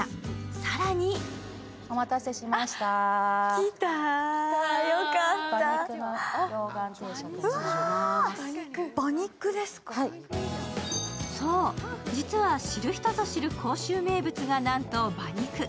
更にそう、実は知る人ぞ知る甲州名物が馬肉。